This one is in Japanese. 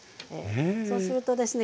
そうするとですね